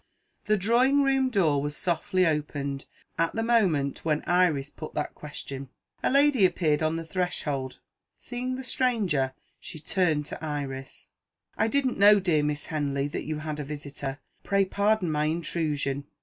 The drawing room door was softly opened, at the moment when Iris put that question. A lady appeared on the threshold. Seeing the stranger, she turned to Iris. "I didn't know, dear Miss Henley, that you had a visitor. Pray pardon my intrusion."